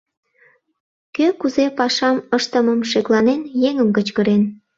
Кӧ кузе пашам ыштымым шекланен, еҥым кычкырен.